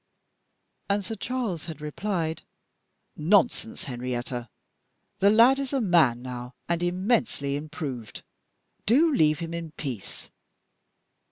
And Sir Charles had replied, "Nonsense! Henrietta the lad is a man now, and immensely improved; do leave him in peace."